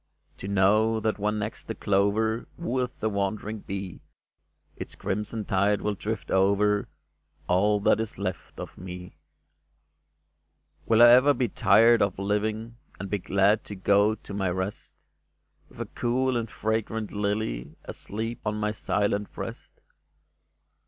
To know that when next the clover Wooeth the wandering bee, Its crimson tide will drift over All that is left of me ? Will I ever be tired of living. And be glad to go to my rest, With a cool and fragrant lily Asleep on my silent breast